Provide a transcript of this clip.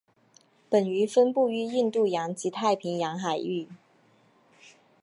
本鱼分布于印度洋及太平洋海域。